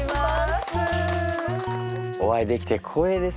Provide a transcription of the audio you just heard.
お会いできて光栄です。